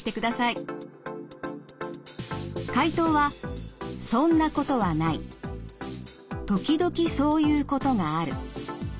回答は「そんなことはない」「時々そういうことがある」